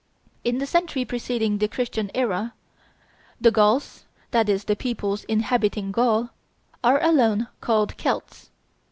In the century preceding the Christian era, the Gauls, that is, the peoples inhabiting Gaul, are alone called Celts.